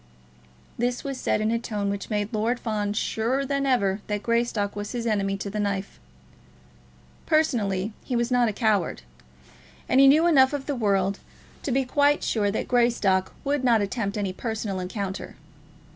This was said in a tone which made Lord Fawn surer than ever that Greystock was his enemy to the knife. Personally, he was not a coward; and he knew enough of the world to be quite sure that Greystock would not attempt any personal encounter.